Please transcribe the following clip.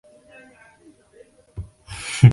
本表共分为交流道距离。